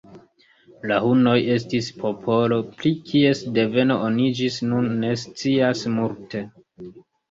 La hunoj estis popolo, pri kies deveno oni ĝis nun ne scias multe.